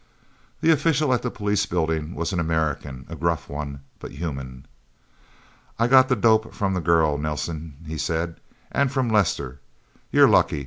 The official at the police building was an American a gruff one, but human. "I got the dope from the girl, Nelsen," he said. "And from Lester. You're lucky.